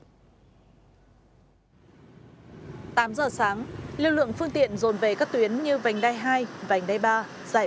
tám giờ sáng lực lượng phương tiện dồn về các tuyến như vành đai hai vành đai ba